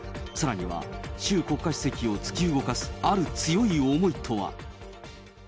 さらには、習国家主席を突き動かすある強い思いとは。